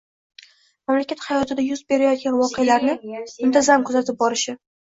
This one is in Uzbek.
Mamlakat hayotida yuz berayotgan voqealarni muntazam kuzatib borishi